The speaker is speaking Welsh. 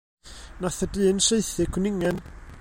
Nath y dyn saethu cwningen.